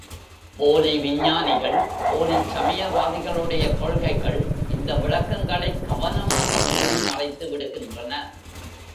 போலி விஞ்ஞானிகள், போலிச் சமயவாதிகளுடைய கொள்கைகள் இந்த விளக்கங்களைக் கவனமாக மூடி மறைத்துவிடுகின்றன.